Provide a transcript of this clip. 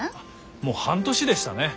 もう半年でしたね。